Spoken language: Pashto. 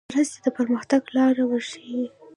مرستې د پرمختګ لار ورښیي.